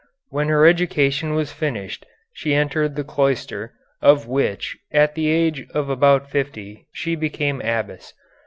When her education was finished, she entered the cloister, of which, at the age of about fifty, she became abbess.